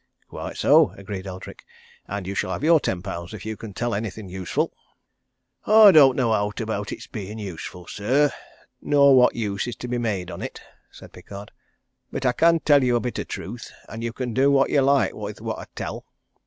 "Quite so," agreed Eldrick, "And you shall have your ten pounds if you can tell anything useful." "I don't know owt about it's being useful, sir, nor what use is to be made on it," said Pickard, "but I can tell you a bit o' truth, and you can do what you like wi' what I tell.